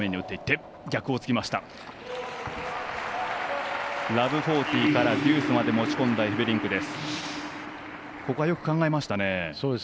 ０−４０からデュースまで持ち込んだエフベリンクです。